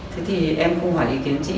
thế thì em không hỏi ý kiến chị